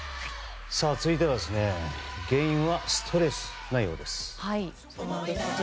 続いては原因はストレスなようです。